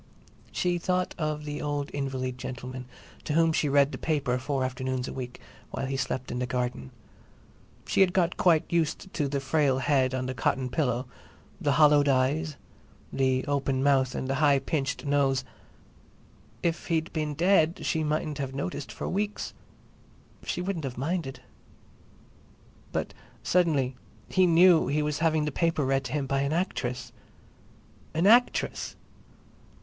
She thought of the old invalid gentleman to whom she read the newspaper four afternoons a week while he slept in the garden. She had got quite used to the frail head on the cotton pillow, the hollowed eyes, the open mouth and the high pinched nose. If he'd been dead she mightn't have noticed for weeks; she wouldn't have minded. But suddenly he knew he was having the paper read to him by an actress! "An actress!"